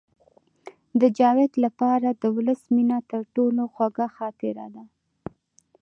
د جاوید لپاره د ولس مینه تر ټولو خوږه خاطره ده